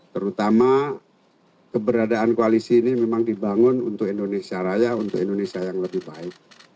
terutama keberadaan koalisi ini memang dibangun untuk indonesia raya untuk indonesia yang lebih baik